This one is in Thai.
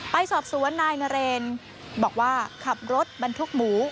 ไปสอบสวนนายนเรนบอกว่าขับรถบรรทุกหมู